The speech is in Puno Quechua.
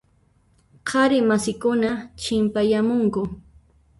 Qhari masiykuna qhipayamunku.